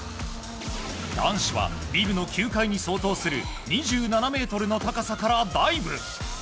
男子はビルの９階に相当する１７ｍの高さからダイブ。